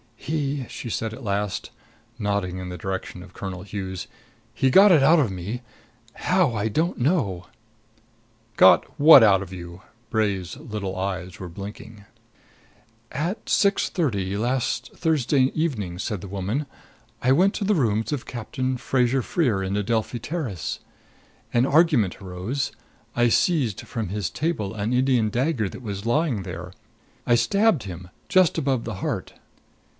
"He" she said at last, nodding in the direction of Colonel Hughes "he got it out of me how, I don't know." "Got what out of you?" Bray's little eyes were blinking. "At six thirty o'clock last Thursday evening," said the woman, "I went to the rooms of Captain Fraser Freer, in Adelphi Terrace. An argument arose. I seized from his table an Indian dagger that was lying there I stabbed him just above the heart!"